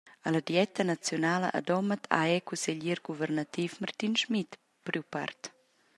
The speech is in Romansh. Alla dieta naziunala a Domat ha era cusseglier guvernativ Martin Schmid priu part.